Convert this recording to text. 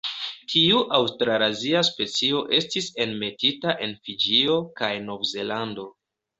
Tiu aŭstralazia specio estis enmetita en Fiĝio kaj Novzelando.